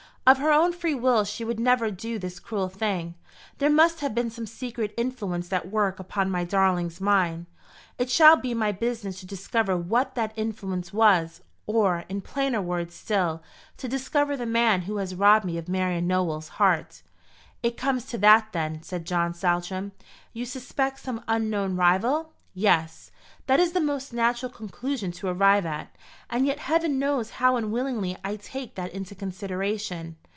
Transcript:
Of her own free will she would never do this cruel thing. There must have been some secret influence at work upon my darling's mind. It shall be my business to discover what that influence was; or, in plainer words still, to discover the man who has robbed me of Marian Nowell's heart." "It comes to that, then," said John Saltram. "You suspect some unknown rival?" "Yes; that is the most natural conclusion to arrive at. And yet heaven knows how unwillingly I take that into consideration."